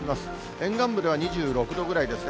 沿岸部では２６度ぐらいですね。